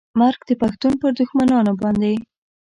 مرګ د پښتون پر دښمنانو باندې